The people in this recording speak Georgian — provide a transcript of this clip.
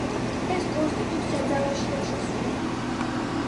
ეს კონსტიტუცია ძალაში არ შესულა.